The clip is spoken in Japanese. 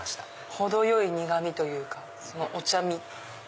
程よい苦味というかお茶み。